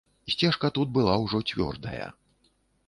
Сцежка тут была ўжо цвёрдая.